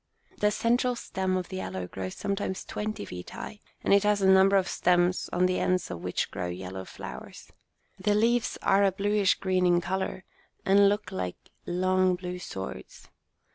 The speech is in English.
The central stem of the aloe grows sometimes twenty feet high, and it has a number of stems on the ends of which grow yellow flowers. The leaves are a bluish green in colour, and look like long blue swords.